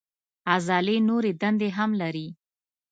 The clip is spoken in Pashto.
عضلې نورې دندې هم لري.